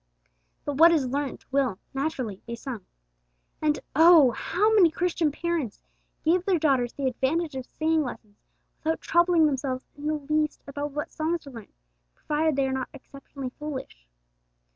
But what is learnt will, naturally, be sung. And oh! how many Christian parents give their daughters the advantage of singing lessons without troubling themselves in the least about what songs are learnt, provided they are not exceptionally foolish!